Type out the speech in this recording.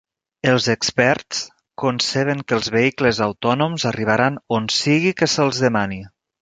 Els experts conceben que els vehicles autònoms arribaran on sigui que se'ls demani.